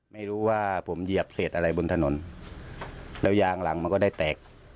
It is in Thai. ไม่รู้ว่าผมเหยียบเศษอะไรบนถนนแล้วยางหลังมันก็ได้แตก